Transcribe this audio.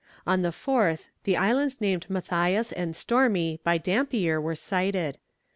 On the 4th the islands named Matthias and Stormy by Dampier were sighted.